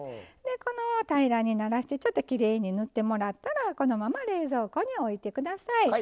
平らにならしてちょっときれいに塗ってもらったらこのまま冷蔵庫に置いて下さい。